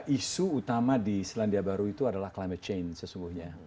isu utama di selandia baru itu adalah climate change sesungguhnya